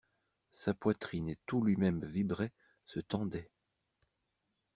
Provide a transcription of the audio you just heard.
Sa poitrine et tout lui-même vibraient, se tendaient.